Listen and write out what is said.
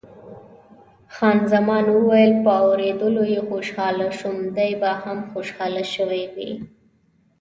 خان زمان وویل، په اورېدلو یې خوشاله شوم، دی به هم خوشاله شوی وي.